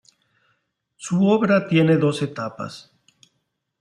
Su obra tiene dos etapas.